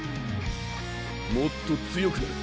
もっと強くなれ。